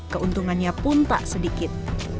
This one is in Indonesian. keuntungannya pun tak sedikit